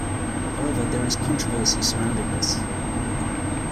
However, there is controversy surrounding this.